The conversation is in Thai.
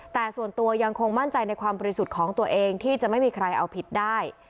แต่ส่วนตัวยังคงมั่นใจในความบริสุทธิ์ของตัวเองที่จะไม่มีใครเอาผิดได้